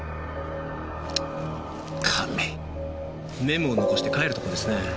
メモを残して帰るとこですね。